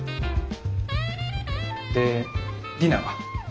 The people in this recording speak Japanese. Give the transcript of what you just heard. でディナーは？